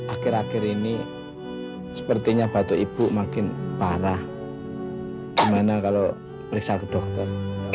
akhir akhir ini sepertinya batuk ibu makin parah gimana kalau periksa ke dokter